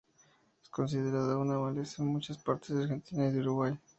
Es considerada una maleza en muchas partes de Argentina y de Uruguay.